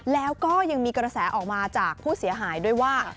แล้วก็ยังมีกระแสออกมาจากผู้เสียหายด้วยว่า